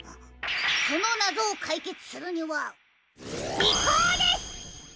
そのなぞをかいけつするにはびこうです！